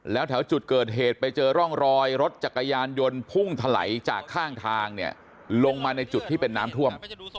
แล้วแถวจุดเกิดเหตุไปเจอร่องรอยรถจักรยานยนต์พุ่งถลายจากข้างทางเนี่ยลงมาในจุดที่เป็นน้ำท่วม